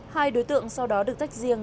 hai đối tượng sau đó được tách riêng